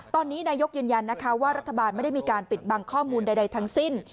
ตอนนี้นายกยืนยันนะคะว่ารัฐบาลไม่ได้มีการปิดบังข้อมูลใดทั้งสิ้น